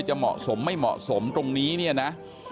จะเหมาะสมไม่เหมาะสมตรงนี้เนี่ยนะ